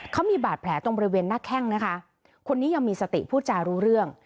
เขามีบาดแผลตรงบริเวณหน้าแข้งนะคะคนนี้ยังมีสติพูดจารู้เรื่อง